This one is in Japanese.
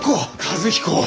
和彦！